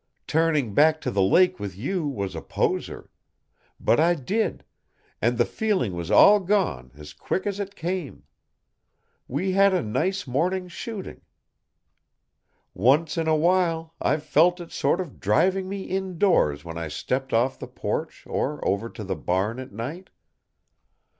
Turning back to the lake with you was a poser. But I did; and the feeling was all gone as quick as it came. We had a nice morning's shooting. Once in a while I've felt it sort of driving me indoors when I stepped off the porch or over to the barn at night.